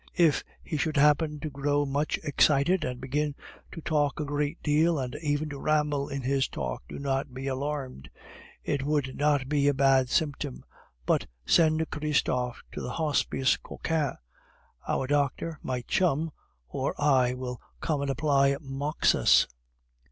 If he should happen to grow much excited, and begin to talk a good deal and even to ramble in his talk, do not be alarmed. It would not be a bad symptom. But send Christophe to the Hospice Cochin. Our doctor, my chum, or I will come and apply moxas.